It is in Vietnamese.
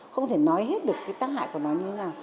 không thể nói hết được cái tác hại của nó như thế nào